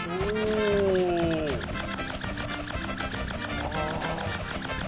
ああ。